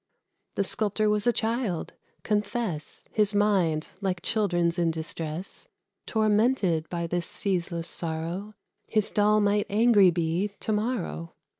The sculptor was a child; confess, His mind, like children's in distress, Tormented by this ceaseless sorrow, His doll might angry be to morrow.